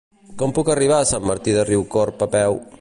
Com puc arribar a Sant Martí de Riucorb a peu?